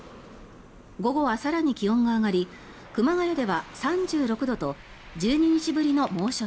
午後は更に気温が上がり熊谷では３６度と１２日ぶりの猛暑